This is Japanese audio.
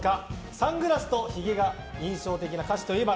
サングラスとヒゲが印象的な歌手といえば？